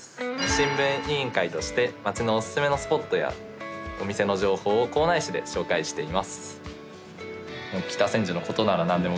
新聞委員会として街のオススメのスポットやお店の情報を校内紙で紹介しています。